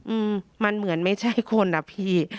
อืมมันเหมือนไม่ใช่คนอ่ะพี่